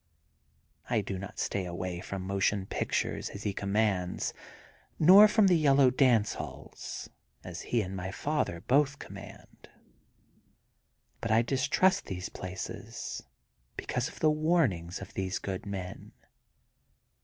I do not stay away from motion pictures, as he commands, nor from the Yellow Dance Halls, as he and my father both command. But I distrust these places, because of the warnings of these good men.